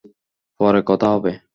পরে কথা হবে।